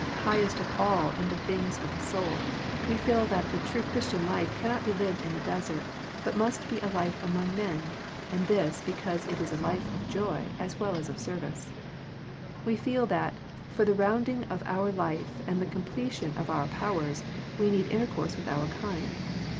Highest of all in the things of the soul, we feel that the true Christian life cannot be lived in the desert, but must be a life among men, and this because it is a life of joy as well as of service. We feel that, for the rounding of our life and the completion of our powers, we need intercourse with our kind.